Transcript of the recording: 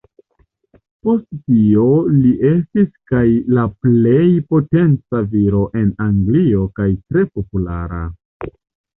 Post tio li estis kaj la plej potenca viro en Anglio kaj tre populara.